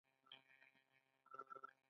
د بدخشان په سیندونو کې د سرو زرو شګې شته.